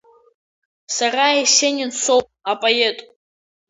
Сара Есенин соуп, апоет…